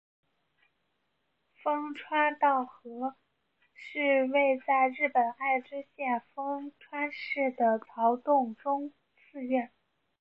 丰川稻荷是位在日本爱知县丰川市的曹洞宗寺院。